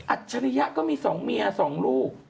อัชริยะก็มีสองเมียสองลูก